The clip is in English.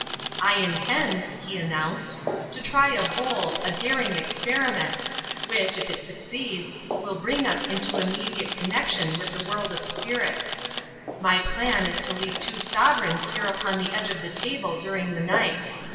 "I intend," he announced, "to try a bold, a daring experiment, which, if it succeeds, will bring us into immediate connection with the world of spirits. My plan is to leave two sovereigns here upon the edge of the table during the night.